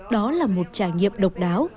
đó là một trải nghiệm độc đáo